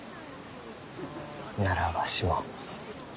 ならわしも。